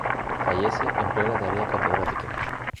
Fallece en plena tarea catedrática.